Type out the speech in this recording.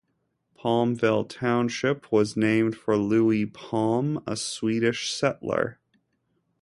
Palmville Township was named for Louis Palm, a Swedish settler.